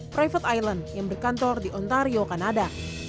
private island yang berkantor di ontario kanada